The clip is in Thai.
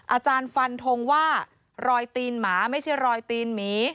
อาจารย์ฟันทงว่ารอยตีนหมาไม่ใช่รอยตีนหมี